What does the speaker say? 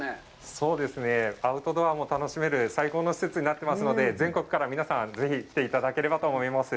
そうですね、アウトドアも楽しめる最高の施設になってますので、全国から皆さん、ぜひ来ていただければと思います。